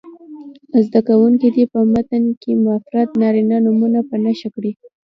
زده کوونکي دې په متن کې مفرد نارینه نومونه په نښه کړي.